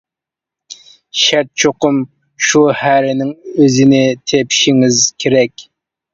شەرت: چوقۇم شۇ ھەرىنىڭ ئۆزىنى تېپىشىڭىز كېرەك.